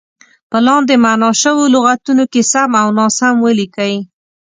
په لاندې معنا شوو لغتونو کې سم او ناسم ولیکئ.